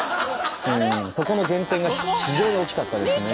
そこの減点が非常に大きかったですね。